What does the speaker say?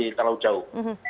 jadi terlalu jauh